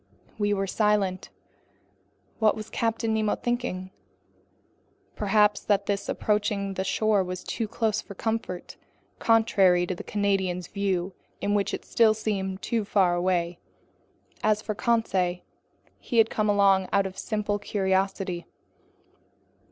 We were silent. What was Captain Nemo thinking? Perhaps that this approaching shore was too close for comfort, contrary to the Canadian's views in which it still seemed too far away. As for Conseil, he had come along out of simple curiosity.